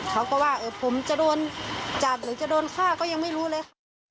เขาก็ว่าผมจะโดนจับหรือจะโดนฆ่าก็ยังไม่รู้เลย